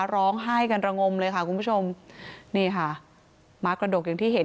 ร้องไห้กันระงมเลยค่ะคุณผู้ชมนี่ค่ะม้ากระดกอย่างที่เห็น